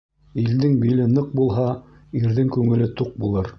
Илдең биле ныҡ булһа, ирҙең күңеле туҡ булыр.